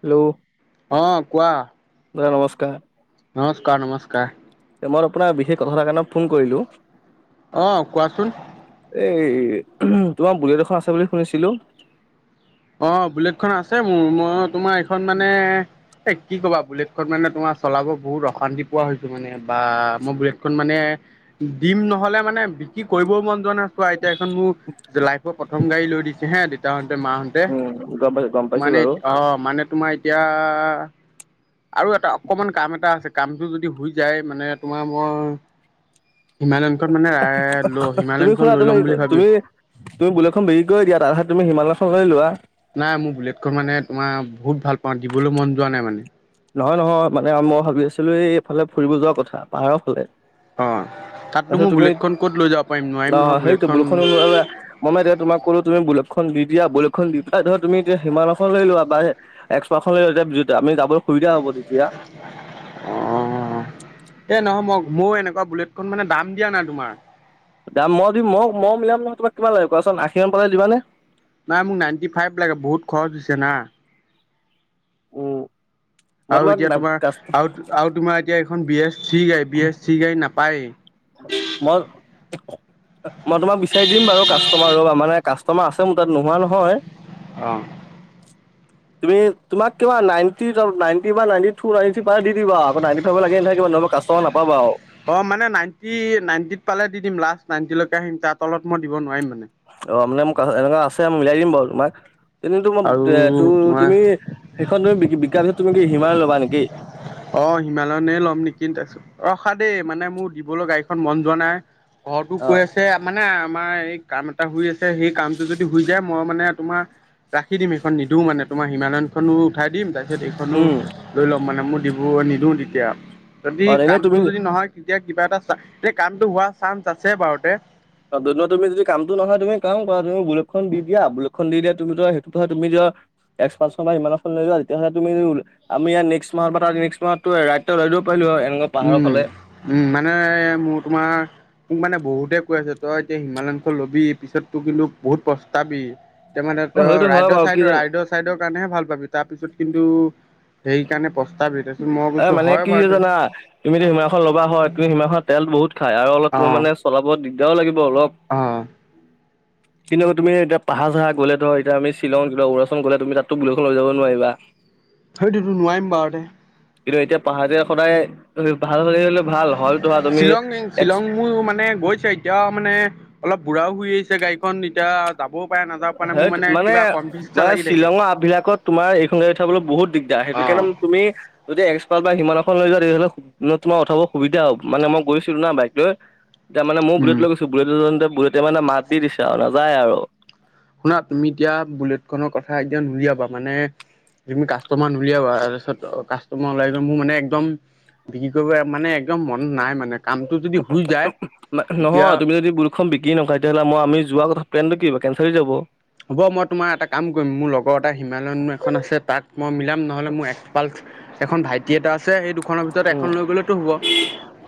Hello অ', কোৱা। নমস্কাৰ। নমস্কাৰ, নমস্কাৰ। মই আপোনাৰ বিশেষ কথাটাৰ কাৰণে ফোন কৰিলোঁ। আহ, কোৱাচোন। এই তোমাৰ বুলট এখন আছে বুলি শুনিছিলো। অ', বুলেটখন আছে মোৰ মই তোমাৰ এইখন মানে এ কি ক'বা বুলেটখন মানে তোমাৰ চলাব বহুত অশান্তি পোৱা হৈছো মানে বা মই বুলেটখনন মানে দিম নহলে মানে বিক্ৰী কৰিবও মন যোৱা না চোৱা এতিয়া এখন মোৰ লাইফৰ প্ৰথম গাড়ী দিছে হে দেতাহতে মাতে উম গম পাইছো গম পাইছো মানে বাৰু অ', মানে তোমাৰ এতিয়া আৰু এটা অকমান কাম এটা আছে কামটো যদি হৈ যায় মানে তোমাৰ মই হিমালয়নখন মানে ল তুমি হিমালয়নখন শুনা লৈ তুমি ল'ম বুলি ভাবি তুমি তুমি বুলেটখন বিএী কৰি দিয়া তাৰাহ তুমি হিমালয় চলৈ লোৱা। নাই মোৰ বুলেটখন মানে তোমাৰ বহুত ভাল পাওঁ দিবলৈ মন যোৱা নাই মানে। নহয় নহয় মানে মই ভাবি আছিলো, এই এইফালে ফুৰিব যোৱাৰ কথা পাহাৰৰ ফালে। অ'। তাততো তাৰপিছত মোৰ তুমি, বুলেটখন ক'ত লৈ যাব পাৰিম নোৱাৰিম নহয় অ' সেইটো বুলেটখন বৰষুণ মমে তেতিয়া তোমাক কোত তুমি বুলকখন দি দিয়া বুলকখন দি পেলাই ধ তুমি এতি সিনাখন লৈ লোৱা বা এক্সপাৰখন লৈতিয়া য আমি যাব সুবিধা হ'ব তেতিয়া। মোৰ এনেকুৱা বুলেটখন মানে দাম দিয়া নাই তোমাৰ দাম মই দিম মই ম মিলাম নয় তোমাক কিবা লাগিব কোৱাচোন আশী মান পালে দিবানে? নাই মোক নাইনটি ফাইভ লাগে বহুত খৰচ হৈছে না। উম। মই আৰু তোমাক এতিয়া তোমাৰ, কাষ্ট আৰু, আৰু তোমাৰ এতিয়া এইখন বি এছ চি গাড়ী বি এছ চি গাড়ী নাপায়েই। মই মই তোমাক বিচাৰি দিম বাৰু কাষ্টমাৰৰ মানে কাষ্টমাৰ আছে মোৰ তাত নোহোৱা নহয়। আহ। [inaudible] তুমি তোমাক কিবা নি বা নি নি প দি দিবা ন ফভ লাগে ন মই কাষ্টমাৰ নাপাবা আৰু। অ' মানে নাইনটি নাইনটিত পালে দিম লাষ্ট নাইণ্টিলৈকে আহিম তাৰ তলত মই দিব নোৱাৰিম মানে। অ' মানে মোক এনেকুৱা আছে মিলাই দিম বাৰু তোমাক। তেনে তোম আৰু এ ত তোমাৰ তুমি, সেইখন তুমি বিকা্ষত তুমি কি হিমাৰে ল'বা নেকি? অ' হিমালয়নে ল'ম নেকি তাৰপিছত, ৰখা দেই মানে মোৰ দিবলৈ গাড়ীখন মন যোৱা নাই। ঘৰৰতো কৈ অ' আছে মানে আমাৰ এই কাম এটা হৈ আছে সেই কামটো যদি শ যায় মই মানে তোমাৰ ৰাখি দিম সেইখন নিদো মানে তোমাৰ হিমালয়নখনো উঠাই দিম তাৰপিছত, এখনও উম, লয় লম ম নিদিওঁ তেতিয়া, যদি অ' এনেই কামটো তুমি যদি নহয় এতিয়া কিবা এটা এয়া কামটো হোৱা চান্স আছে বাৰুতে। তুমি যদি কামটো নহয় তুমি কও বা তুমি বুলেটখন দি দা বুলেটখন দি দিয়া তুমি ধ সেইটো হয় তুমি যোৱা লৈ যোৱা তেতিয়লে তুমি আমি ইয়াৰ মাহ পাৰিলে পাৰিলো আৰু উম, উম মানে মোৰ তোমাৰ মোক মানে বহুতে কৈ আছে তই এতিয়া হিমালয়খন ল'বি পিছত তোৰ কিন্তু বহুত প্ৰস্তাবি। ত মানে অ ত সেইটো হয় ৰাইদেৰ বাৰু কি চাইডৰ জানো ৰাইদৰ চাইডৰ কাৰণেহে ভাল পাবি তাৰপিছত কিন্তু সেইকাৰণে প্ৰস্তাৱ তাৰছোনত মই কৈছোঁ হয় বাৰু দেই। তুমিতো হিমালয়খন ল'বা তুম সিমাখন তেল বুত খ আৰু অলপ অ', তোমাৰানেলাব দিগদাৰও লাগিব। অলপ। অ', কিন্তুৱা তুমি এতিয়া পাহাৰ চাহাৰ গলে ধৰক এতিয়া আমি শ্বিলং ক উৰুৰাচল গ'লে তুমি তাততো বুলেটখন লৈ যাব নোৱাৰিবা। [inaudible] সেইটোতো নোৱাৰিম বাৰুতে কিন্তু এতিয়া পাহাৰীয়া সদায় ভাল হ'লে হ'লে ভাল হয় ধৰা তুমি শ্বিলং এক্স শ্বিলং মো মানে গৈছে এতিয়া মানে অলপ বুঢ়াও হয় আহিছে গাড়ীখন এতিয়া যাব সেই মানে মানে লাগি থাকে। শ্বিলঙৰ আপবিলাকত তোমাৰ এইখন গাড়ী উঠাবলৈ বহুত দিগদাৰ অ', সেইটোকেদম তুমি যদি সিমান এখন লৈ যা তেতিয়াহ'লে তোমাৰ উঠাব সুবিধা হ'ব মানে মই গৈছিলো না বাইক লৈ এতিয়া মানে মোৰ বুললেট উম। লৈ গৈছো বুলট বুললেতে মানে মাত দি দিছে আৰু নাযায় আৰু শুনা তুমি এতিয়া বুলেট খনৰ কথা এতিয়া নলিয়াবা মানে তুমি কাষ্টমাৰ ন উলিয়াবা তাৰপিছত কাষ্টমাৰ ওলাই য মোৰ মানে একদম বিক্ৰী কৰিব মানে একদম মন নাই মানে কামটো যদি হৈ যায় তেতিয়া নহয় তুমি যদি বুলেটখন বিকি নখয় তেতিয়াহ'লে মই আমি যোৱা কথা প্লেন টো কিহব কেনচেল হৈ যাব হ'ব মই তোমাৰ এটা কাম কৰিম মোৰ লগৰ এটা হিমালয়ন এখন আছে তাত মই মিলাম নহ'লে মোৰ এক্ পালচ এখন ভাইটি এটা আছে সেইটো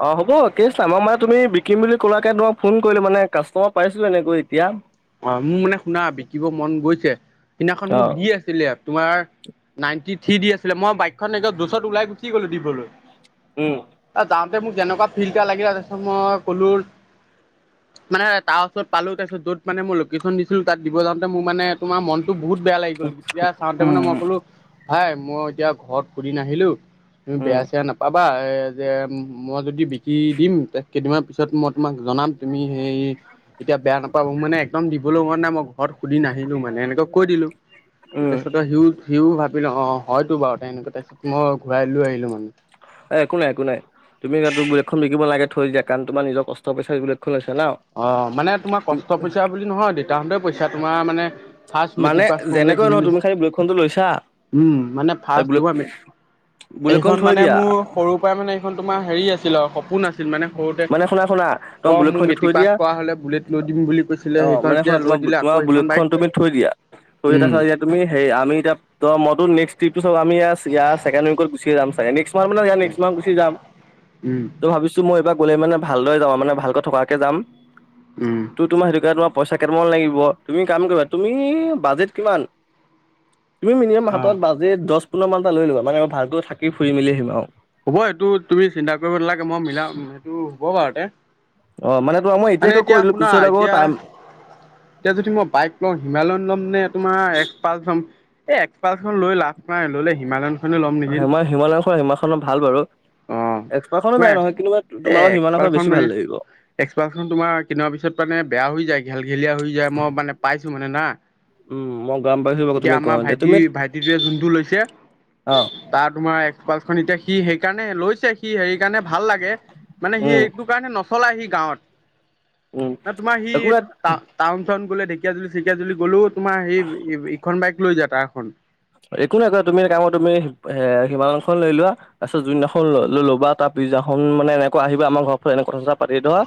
অ' হ'ব কেছ নাই মই মানে তুমি বিকিম বুলি ক'লাকে তোমই ফোন কৰিলোঁ মানে কাষ্টমাৰ পাইছিলো এনেকৈ এতিয়া অ' মোৰ মানে শুনা বিকিব মন গৈছে সিদিনাখন অ মোক য আছিলে তোমাৰ নাইনটি থ্ৰী দি আছিলে মই বাইকখন এ য'চত ওলাই গুচি গলো দিবলৈ উম যাওঁতে মোক যেনেকুৱা ফিল্ এটা লাগিল তাৰছত মই ক'লো মানে তাৰ ওচৰত পালো তাৰপিছত য'ত মানে মই লোকেশ্যন দিছিলো তাত দিব যা মোৰ মানে তোমাৰ মনতো বহুত বেয়া লাগি গলতিয়া চাওঁতে উম মানে মই ক'লো ভাই মই এতিয়া ঘৰত সুুধি নাহিলো তুমি উম বেয়া চেয়া নাপাবা যে মই যদি বিকি দিম কেইদিনমান পিছত মই তোমাক জনাম তুমি সেই এতিয়া বেয়া নাপাব মানে একদম দিবলৈ মন নাই মই ঘৰত সুধি নাহিলো মানে এনেকে কৈ দিলো উম। তাৰপিছত সি ত ভাবি অ' হয়তো বাৰু তেনেকুৱা তাৰপাছত মই ঘূৰাই লৈ আহিলো মানে এ একো নাই একো নাই তুমি বুলেটখন বিকিব নালাগে থৈ দিয়া কাৰণ তোমাৰ নিজৰ কষ্ট পইচা এইবিলাকখন লৈছে ন অ মানে তোমাৰ কষ্ট পইচা বুলি নহয় দেউতাহঁতেও পইচা তোমাৰ মানে ফাৰ্ষ্ট মানে মেট্ৰিক পাছ কৰোঁতে যেনেকৈ কিনি তুমি দিছে, খালি বুলেট খনটো লৈছা উম মানে ফাৰ্ষ্ট তোমাৰ মেট্ৰিক বুলেট খণ মানে মোৰ সৰুৰ পৰাই মানে এইখন তোমাৰ হেৰি আছিল আৰু সপোন আছিল মানে সৰুতে মানে শুনা শুনা তোমাৰ অ' মোৰ বুলেটখন এতিয়া থৈ মেট্ৰিক পাছ দিয়া কৰা হলে বুলেট লৈ দিম বুলি কৈছিলে অ মানে সেইখন এতিয়া লৈ দিলে আকৌ সেইখন বাইক এ উম, এতিয়া তুমি হেৰি আমি এতিয়া ত' মতো নে্কট্ৰিপটো চ আম ই ছেেণ্ড উইকত গুচি মাৰ মান নে্কস মাৰ্থ গুচি যাম উম, ত' ভাবিছো মই এইবাৰ গ'লে মানে ভালদৰে যাম মানে ভালকৈ থকাকে যাম উম, তোৰ তোমাৰ সেইটো কে তোমাৰ পইচা কেইটামান লাগিব তুমি কাম কৰিবা তুমি বাজেট কিমান তুমি মিনিমাম অ'। হাতত বাজেট দহ পোন্ধৰ মানটা লৈ ল'ব মানে ভালকৈ থাকি ফুৰি মেলি আহিম আৰু হ'ব এইটো তুমি চিন্তা কৰিব নালাগে মই মিলাম সেইটো হ'ব বাৰুতে অ মানে তোমাক মই মানে এতিয়াকে কৈ এতিয়া দিলো শুনা পিছত আকৌ এতিয়া টাইম এতিয়া যদি মই বাইক লওঁ হিমালয়ন ল'ম তোমাৰ এক্সাপালচ এই এক্সপালচ লৈ লাভ নাই ললে হিমালয়ন হিমালয়খন হীমাখননৰ ভাল বাৰু অঁ এক্সপাৰ্খনো তোমাৰ বেয়া নহয় কিন্তু তোমাৰ সিমাননাখৰ বেছি ভাল লাগিব এক্সপালচ তোমাৰ কিনাৰ পিছত মানে বেয়া হৈ যায় ঘেল ঘেলীয়া হৈ যায় মই মানে পাইছো মানে না উম মই গম পাইছো বাৰু এতিয়া তুমি আমাৰ কওঁতে তুমি ভাইটিৰ ভাইটিটোৱে যোনটো লৈছে অ তাৰ তোমাৰ একপাল খন এতিয়া সি সেইকাৰণে লৈছে সি সেই কাৰণে ভাল লাগে মানে সি উম এইটো কাৰণে নচলায় সি গাঁৱত। উম ন তোমাৰ একো নাই টা-টাউন গ'লে ঢেকীয়াজুলি-চেকীয়াজুলি গ'লেও তোমাৰ স ইখন বাইক লৈ যা তাৰ খন। একো নাই কয় তুমি কামত তুমি এ সিমান লৈ লোৱা, তাৰ পিছত জুদিনাখন ল'ব তাৰ পিছদিনাখন মানে এনেকুৱা আহিব আমাৰ ঘৰ এনেকুৱ কথা পাতি ধৰা,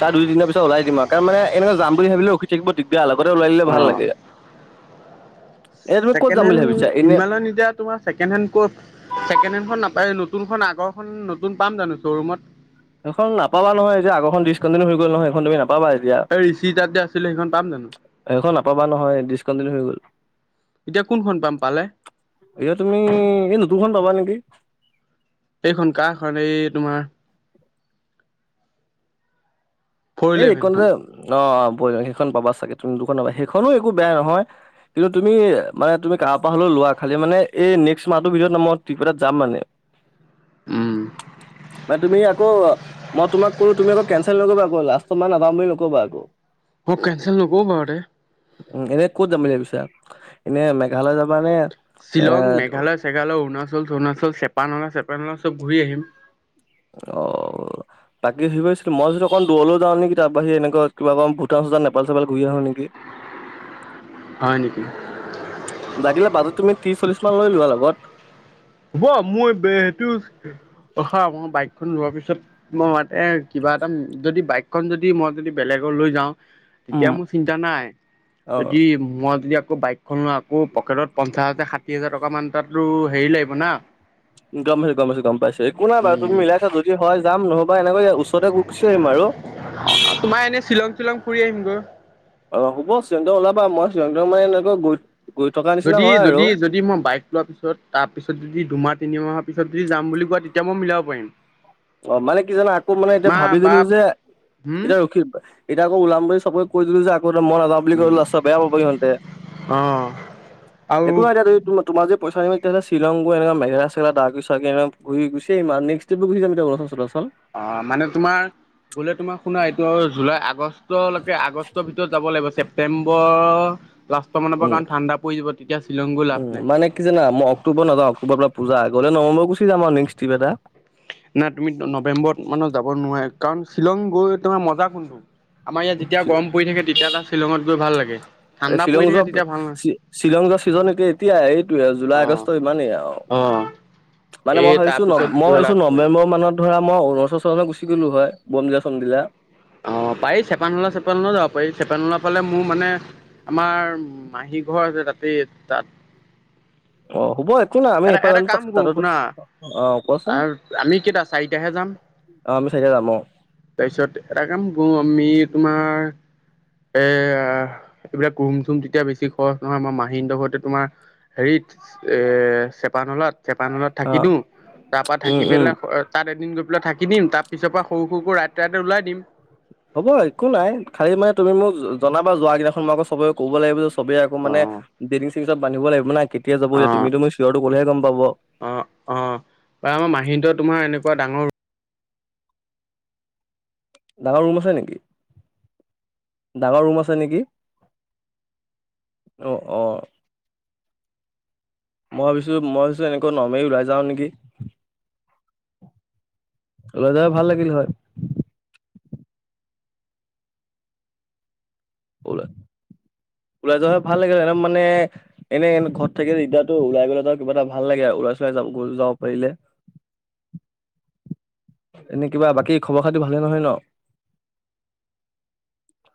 তাৰ দুইদিনৰ পিছত ওলাই দিম আৰু, কাৰণ মানে এনেকা যাম বুলি ভাবিলে ৰখি থাকিব লগতে ওলাই দিলে ভাল অঁ লাগে। এয়া তুমি ক'ত যাম বুলি ভাবি হিমায়ত এতিয়া তোমাৰ ছেকেণ্ড হে ক ছেকেডেখন নাপায় নতুনখন আগৰখন নতুন পাম জানো শ্ব'ৰুমত? সখন নাপাবা নয়, যে আগখনিছ কণ্টিনিউ হৈ গ'ল নহয় ইখন তুমি না এই ঋষিৰ তাত যে আছিলে সেইখন পাম জানো? সেইখন নাপাবা নহয় ডিচকণ্টিনিউ হৈ গ'ল। এতিয়া কোনখন পাম পালে এয়া তুমি এই নতুনখন পাবা নেকি। এইখন কা খন এই তোমাৰ ফ'ৰ এই ইলেভেনখন [unintelligible] সেইখন পাবা চাগে তুমি দুখন পাবা, সেইখনো একো বেয়া নহয় কিন্তু তুমি মানে, তুমি কাৰ পৰা হ'লেও লোৱা খালি মানে এই নেক্স মাহতৰ ভিতৰত মই ত্ৰিপেটাত যাম মানে। উম [inaudible] মান তুমি আকৌ, মই তোমাক কোলো তুমি আকৌ কেনচেল নকৰিবা আকৌ লাষ্ট মই নাযাম বুলি নকবা আকৌ। অ কেনচেল নকৰো বাৰু দে উ এনে ক'ত যাম বুলি ভাবিছা? এনে মেঘালয় যাবা নে শ্বিলং এ মেঘালয়-চেঘালয়, অৰুণাচল-চৰুণাচল, চেপানলা-চেপানলা চব ঘূৰি আহিম। অ। বাকী কি কৈ আছিলো। মই যদি অকণ দূৰলৈ যাওঁ নিকি তাৰ বাহি এনেক কিবা ক ভূটান-চূটান নেপাল-চেপাল ঘূৰি আহো নেকি? হয় নেকি [inaudible] লাগিলে বাটত তুমি ত্ৰিশ চল্লিশ মান লৈ লোৱা লগত। হ'ব মই বে সেইটো হয় মই বাইকখন লোৱাৰ পিছত মই মানে কিবা এটা, যদি বাইকখন যদি মই যদি বেলেগক লৈ যাওঁ তেতিয়া উম। মোৰ চিন্তা নাই। অ', যদি মই আ আকৌ বাইকখন লোৱা, আকৌ পকেটত পঞ্চাশ হাজাৰ ষাঠি হাজাৰ টকা মান তাতো হেৰি লাগিব না। গম পাইছ গম পাইছ গম পাইছ একো নাই বাৰু তুমি উম মিলাইছা যদি হয় যাম ন বা এনেকৈ ওচৰতে গৈ গুচি আহিম আৰু। চিলং ফুৰি আহিম গৈ। অ হ'ব চিলংতে ওলাবা মই চিলং-থিলং মানে এনেকৈ ঘু যদি-যদি-যদি মই বাইক লোৱা পিছত তাৰ পিছত যদি দুমাহ তিনিমাহৰ পিছত যদি যাম বুলি কোৱা তেতিয়া মই মিলাব পাৰিম। অ মানে কি জানো আকৌ মানে এতিয়া মা ভাবি দিলো বাপ যে হম এতিয়া ৰখিল, এতিয়া আকৌ ওলাম বুলি চবে কৈ দিলো যে মই নেযাওঁ বুলি কলে উম লাষ্টত বেয়া পাব সিহঁতে। অ আৰু একো নাই দিয়া তুমি তোমাৰ যদি পইচা নিমিলে তেতিয়াহলে শ্বিলং গৈ এনেকুৱা মেঘালয়-চেঘালয় ডাউকী-চাউকী এনেকে ঘূৰি গুচি আহিম আ, নেক্সত ট্ৰিপটো [unintelligible] অ মানে তোমাৰ গ'লে তোমাৰ শুনা এইটো জুলাই আগষ্ট লৈকে আগষ্টৰ ভিতৰত যাব লাগিব, ছেপ্টেম্বৰ উম গৈ লাভ উম নাই মানে কি জানা মই অক্টোবৰ নাযাওঁ, অক্টোবৰৰ পৰা পূজা আগ নৱেম্বৰ গুচি যাম আৰু নেক্সট ট্ৰিপ এটা। নাই তুমি নৱেম্বৰত মানত যাব নোৱাৰে, কাৰণ শ্বিলং গৈ তোমাৰ মজা কোনটো? আমাৰ ইয়াত যেতিয়া গৰম পৰি থাকে তেতিয়া তাত শ্বিলঙত গৈ ভাল লাগে। ঠাণ্ডা পৰি শ্বিলং থাকে যোৱা, তেতিয়া ভাল নহয় শ্বিলং যোৱা ছিজন এতিয়া এতিয়া এইটোে জুলাই অ আগষ্ট ইমানেই আৰু। অ মানে এই মই ভাবিছো ন তাৰপিছত মই গৈ ভাবিছো লাভ ন নাই নৱেম্বৰ মানত ধৰা মই অৰুণাচল ছৰুনাচল গুচি গলো হয় বমডিলা চমডিলা। অ', পাৰি চেপানলা চেপানলাও যাব পাৰি চেপানলা ফালে মোৰ মানে আমাৰ মাহী ঘৰ আছে তাতেই তাত। অ', হ'ব একো নাই আমি এটা এটা কাম কৰো শুনা [unintelligible] আৰু আমি কেইটা চাৰিটাহে যাম? অ' আমি চাৰিটা যাম অ'। তাৰপিছত এটা কাম কৰো আমি তোমাৰ [inaudible] এ এইবিলাক ৰুম চুম তেতিয়া বেছি খৰচ নহয় আমাৰ মাহীহঁতৰ ঘৰতে তোমাৰ হেৰিত এ চেপানলাত চেপানলাত থাকি অ' দিও তাৰ পৰা উম, থাকি উম। পেলাই তাত এদিন পেলাই থাকি দিম তাৰ পিছৰ পৰা সৰু সৰু কৈ ৰাতি ৰাতি ওলাই দিম। হ'ব একো নাই খালি মানে তুমি মোক জনাবা যোৱা আগদিনাখন মই আকৌ চবে ক'ব লাগিব। চবেই আক মানে অ', বেডিং চেদিং চব বান্ধিব লাগিব না। কেতিয়া যাব এতিয়া অ', তুমিতো মোৰ চিয়ৰটো কলেহে গম পাব। অ', অ বা আমাৰ মাহীটো তোমাৰ এনেকুৱা ডাঙৰ ডাঙৰ ৰুম আছে নেকি ডাঙৰ ৰুম আছে নেকি? অ', অঁ'। মই ভাবিছো মই ভাবিছো এনেকৈ নৰ্মেলি ওলাই যাওঁ নেকি। ওলাই যোৱা হয় ভাল লাগিল হয়। [unintelligible] ওলাই যোৱা হয় ভাল লাগিল হয় একদম মানে এনে এনে ঘৰত থাকিলে দিগদাৰটো ওলাই গলে ধৰ কিবা এটা ভাল লাগে আৰু। ওলাই চোলাই যাব গৈ যাব পাৰিলে। এনে কিবা বাকী খবৰ খাতি ভালেই নহয় ন? [inaudible]